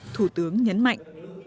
thủ tướng nhấn mạnh